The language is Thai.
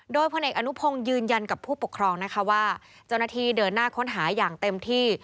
โดยพลเอกอนุพงศ์ยืนยันกับผู้ปกครองนะคะว่าเจ้าหน้าที่เดินหน้าค้นหาอย่างเต็มที่